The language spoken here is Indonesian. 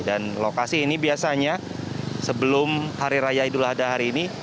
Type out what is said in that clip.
dan lokasi ini biasanya sebelum hari raya idul hadah hari ini